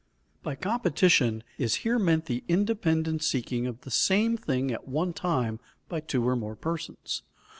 By competition is here meant the independent seeking of the same thing at one time by two or more persons.